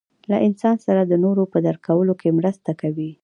له انسان سره د نورو په درک کولو کې مرسته کوي.